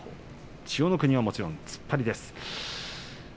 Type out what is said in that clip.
千代の国はもちろん突っ張りです。